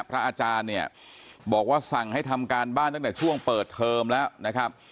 พระอาจารย์เนี่ยบอกว่าสั่งให้ทำการบ้านตั้งแต่ช่วงเปิดเทอมแล้วนะครับ